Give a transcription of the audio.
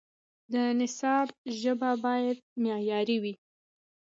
د نصاب ژبه باید معیاري وي.